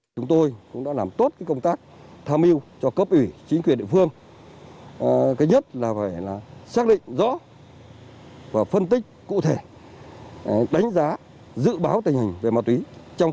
điều này đều có thể xác định rõ và phân tích cụ thể đánh giá dự báo tình hình về ma túy trong